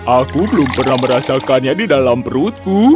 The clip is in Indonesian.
aku belum pernah merasakannya di dalam perutku